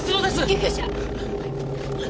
救急車！